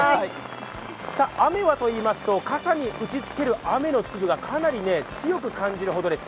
雨はといいますと、傘に打ちつける雨の粒がかなり強く感じるほどです。